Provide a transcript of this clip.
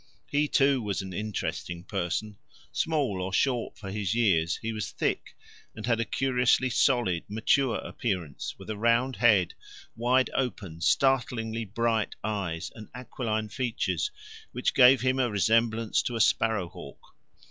He, too, was an interesting person; small or short for his years, he was thick and had a curiously solid mature appearance, with a round head, wide open, startlingly bright eyes, and aquiline features which gave him a resemblance to a sparrow hawk.